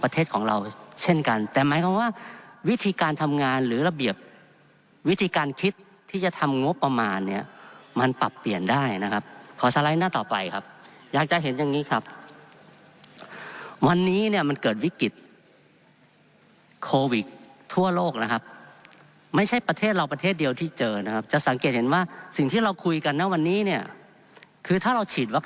ของเราเช่นกันแต่หมายความว่าวิธีการทำงานหรือระเบียบวิธีการคิดที่จะทำงบประมาณเนี่ยมันปรับเปลี่ยนได้นะครับขอสไลด์หน้าต่อไปครับอยากจะเห็นอย่างนี้ครับวันนี้เนี่ยมันเกิดวิกฤตโควิดทั่วโลกนะครับไม่ใช่ประเทศเราประเทศเดียวที่เจอนะครับจะสังเกตเห็นว่าสิ่งที่เราคุยกันนะวันนี้เนี่ยคือถ้าเราฉีดวัค